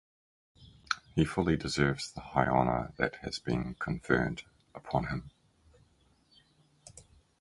He fully deserves the high honour that has been conferred upon him.